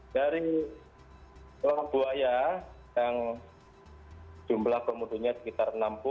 dari kelabuaya yang jumlah komodonya sekitar enam puluh